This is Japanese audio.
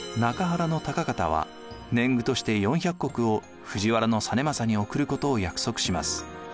高方は年貢として４００石を藤原実政に送ることを約束します。